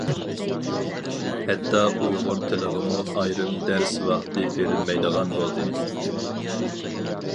ھەتتا ئۇيغۇر تىلىغىمۇ ئايرىم دەرس ۋاقتى بېرىلمەيدىغان بولدى.